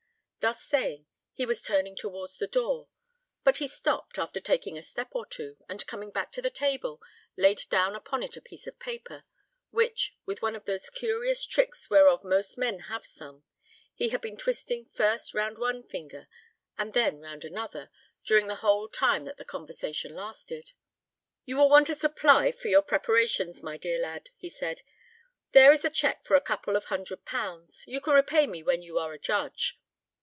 Thus saying, he was turning towards the door; but he stopped, after taking a step or two, and coming back to the table, laid down upon it a piece of paper, which, with one of those curious tricks whereof most men have some, he had been twisting first round one finger and then round another, during the whole time that the conversation lasted. "You will want a supply for your preparations, my dear lad," he said; "there is a cheque for a couple of hundred pounds. You can repay me when you are a judge."